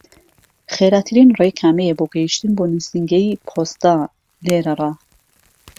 خێراترین ڕێ کامەیە بۆ گەیشتن بە نووسینگەی پۆستە لێرەڕا؟